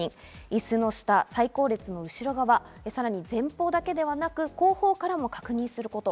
椅子の下、最高列の後ろ側、さらに前方だけではなく後方からも確認すること。